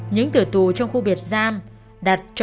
những tử tù trong khu biệt giam đặt cho phép